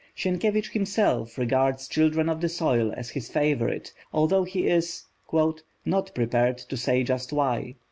Sienkiewicz himself regards Children of the Soil as his favourite, although he is "not prepared to say just why."